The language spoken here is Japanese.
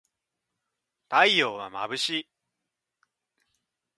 太陽はまぶしい